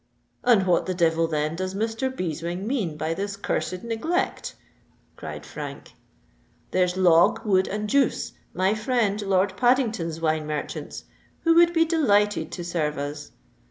"And what the devil, then, does Mr. Beeswing mean by this cursed neglect?" cried Frank. "There's Log, Wood, and Juice, my friend Lord Paddington's wine merchants, who would be delighted to serve us.